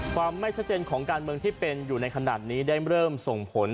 ความไม่ชัดเจนของการเมืองที่เป็นอยู่ในขณะนี้ได้เริ่มส่งผล